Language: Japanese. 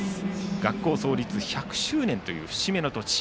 学校創立１００周年という節目の年。